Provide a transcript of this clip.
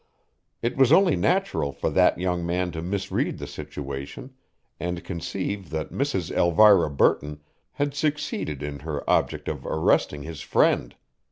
It was only natural for that young man to misread the situation and conceive that Mrs. Elvira Burton had succeeded in her object of arresting his friend.